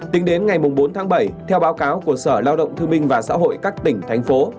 tính đến ngày bốn tháng bảy theo báo cáo của sở lao động thương minh và xã hội các tỉnh thành phố